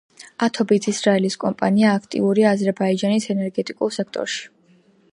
ათობით ისრაელის კომპანია აქტიურია აზერბაიჯანის ენერგეტიკულ სექტორში.